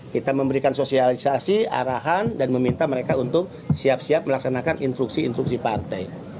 kita memberikan sosialisasi arahan dan meminta mereka untuk siap siap melaksanakan instruksi instruksi partai